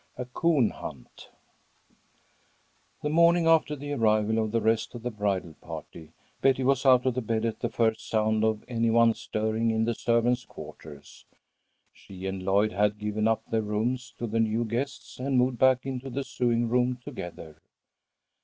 "A COON HUNT" The morning after the arrival of the rest of the bridal party, Betty was out of bed at the first sound of any one stirring in the servants' quarters. She and Lloyd had given up their rooms to the new guests, and moved back into the sewing room together.